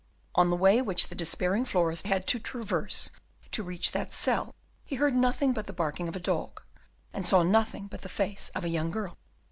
On the way which the despairing florist had to traverse to reach that cell he heard nothing but the barking of a dog, and saw nothing but the face of a young girl.